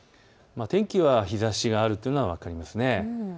天気は日ざしがあるというのが分かりますね。